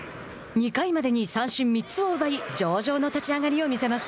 ２回までに三振３つを奪い上々の立ち上がりを見せます。